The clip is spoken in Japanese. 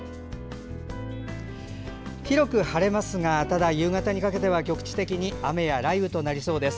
広く晴れますがただ夕方にかけては局地的に雨や雷雨となりそうです。